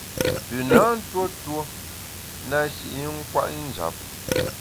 Pü na ntuo tuo na shi i nkwet njap.